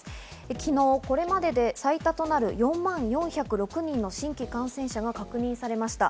昨日これまでで最多となる４万４０６人の新規感染者が確認されました。